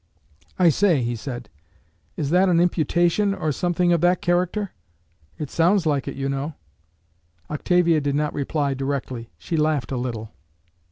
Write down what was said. "I say," he said, "is that an imputation, or something of that character? It sounds like it, you know." Octavia did not reply directly. She laughed a little.